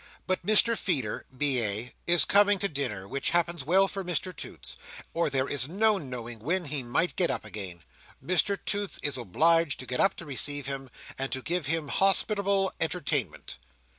But Mr Feeder, B.A., is coming to dinner, which happens well for Mr Toots, or there is no knowing when he might get up again. Mr Toots is obliged to get up to receive him, and to give him hospitable entertainment.